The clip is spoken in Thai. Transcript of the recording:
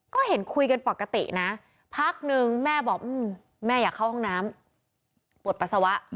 ก็เห็นคุยกันปกตินะพักนึงแม่บอกแม่อยากเข้าห้องน้ำปวดปัสสาวะ